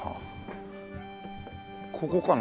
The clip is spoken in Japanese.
ここかな？